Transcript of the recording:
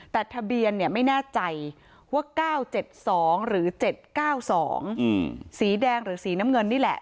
แต่ทะเบียนไม่แน่ใจว่า๙๗๒หรือ๗๙๒สีแดงหรือสีน้ำเงินนี่แหละ